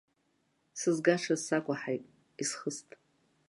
Сызгашаз сакәаҳаит, исхыст.